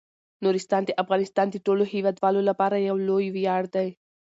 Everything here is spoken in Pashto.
نورستان د افغانستان د ټولو هیوادوالو لپاره یو لوی ویاړ دی.